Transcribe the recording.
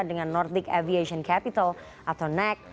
dengan nordic aviation capital atau nek